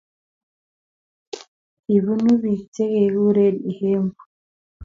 kibunuu biik chekikuren Ihembu